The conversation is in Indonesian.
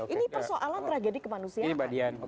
ini persoalan tragedi kemanusiaan